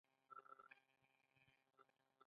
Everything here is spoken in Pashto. د کورونو بازار له ستونزو سره مخ دی.